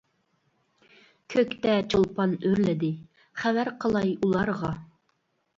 كۆكتە چولپان ئۆرلىدى، خەۋەر قىلاي ئۇلارغا.